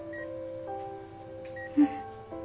うん。